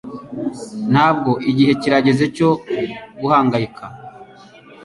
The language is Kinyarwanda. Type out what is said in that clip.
Ntabwo igihe kirageze cyo guhangayika.”